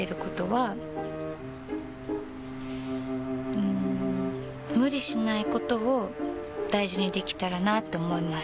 うん無理しないことを大事にできたらなって思います。